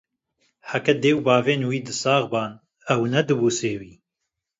Heke dê û bav ên wî di sax bane, ew ne dibû sêwî